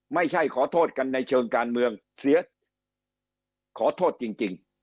ไม่ใช่ขอโทษกันในเชิงการเมืองเสียขอโทษจริง